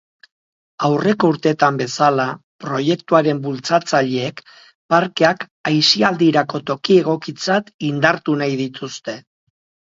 Aurreko urteetan bezala, proiektuaren bultzatzaileek parkeak aisialdirako toki egokitzat indartu nahi dituzte.